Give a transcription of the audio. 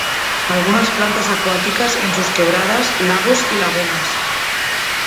Algunas plantas acuáticas en sus quebradas, lagos y lagunas.